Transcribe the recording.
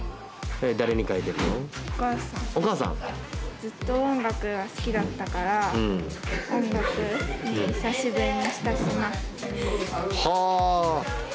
ずっと音楽が好きだったから音楽に久しぶりに親しませてあげたい。